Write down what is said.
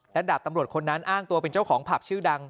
และดาบตำรวจคนนั้นอ้างตัวเป็นเจ้าของผับชื่อดัง